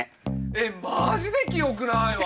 えっマジで記憶ないわ！